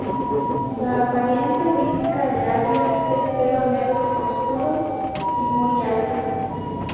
La apariencia física de Aria es pelo negro oscuro y muy alta.